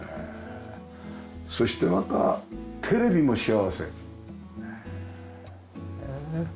そしてまたテレビも幸せ。